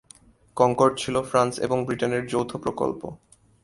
Concord ছিল France এবং ব্রিটেনের যৌথ প্রকল্প।